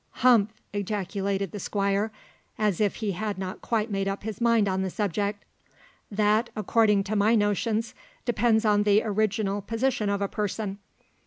"Humph!" ejaculated the Squire, as if he had not quite made up his mind on the subject. "That, according to my notions, depends on the original position of a person.